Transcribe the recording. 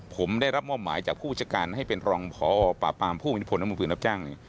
ผมได้รับมอบหมายจากผู้จัดการให้เป็นรองพอปราบปรามผู้มีผลและมือปืนรับจ้างเนี่ย